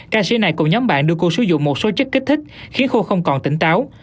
ca sĩ này cùng nhóm bạn đưa cô sử dụng một số chất kích thích khiến khô không còn tỉnh táo